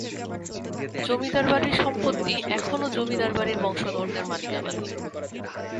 জমিদার বাড়ির সম্পত্তি এখনো জমিদার বাড়ির বংশধরদের মালিকানাধীন।